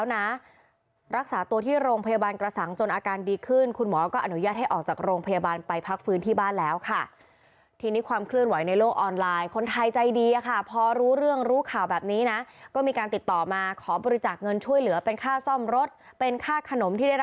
ในครั้งนี้ออกมารับผิดชอบให้ได้